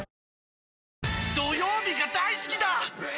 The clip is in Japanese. あ土曜日が大好きだー！